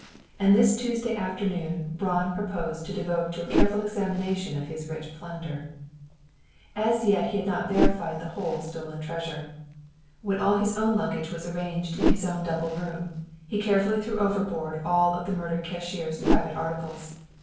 And this Tuesday afternoon Braun proposed to devote to a careful examination of his rich plunder. As yet he had not verified the whole stolen treasure. When all his own luggage was arranged in his own double room, he carefully threw overboard all of the murdered cashier's private articles.